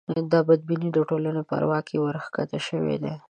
دا بدبینۍ د ټولنې په اروا کې ورکښته شوې وې.